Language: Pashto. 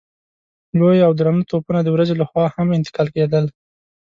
لوی او درانه توپونه د ورځې له خوا هم انتقالېدل.